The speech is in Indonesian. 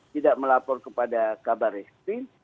tidak melapor kepada kabar reskrim